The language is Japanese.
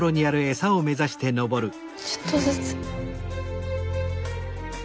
ちょっとずつ。